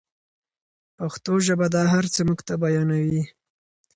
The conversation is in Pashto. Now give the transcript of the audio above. پښتو ژبه دا هر څه موږ ته بیانوي.